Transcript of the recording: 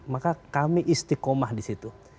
maka kami istikomah disitu